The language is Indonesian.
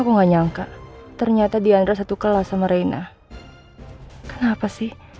aku gak nyangka ternyata diandra satu kelas sama reina kenapa sih